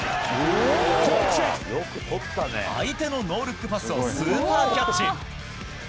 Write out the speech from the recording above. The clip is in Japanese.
相手のノールックパスをスーパーキャッチ。